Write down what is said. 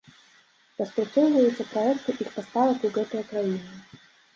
Распрацоўваюцца праекты іх паставак у гэтыя краіны.